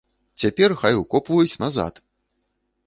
Цяпер хай укопваюць назад!